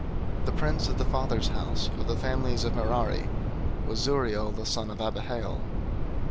003:035 The prince of the fathers' house of the families of Merari was Zuriel the son of Abihail.